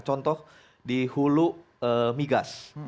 contoh di hulu migas